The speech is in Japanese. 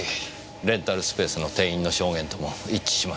レンタルスペースの店員の証言とも一致します。